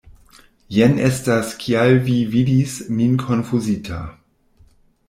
Jen estas kial vi vidis min konfuzita.